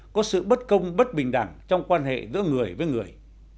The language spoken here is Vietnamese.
có sự bất công bất bình đẳng trong quan hệ giữa người với người